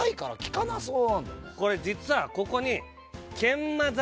これ実はここに研磨剤。